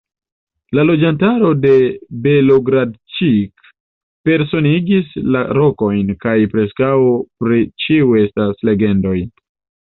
La loĝantaro de Belogradĉik personigis la rokojn, kaj preskaŭ pri ĉiu estas legendoj.